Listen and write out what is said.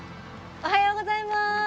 おはようございます！